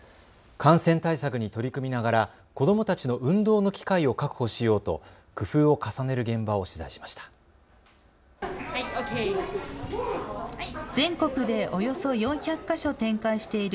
感染対策に取り組みながら子どもたちの運動の機会を確保しようと工夫を重ねる現場を取材しました。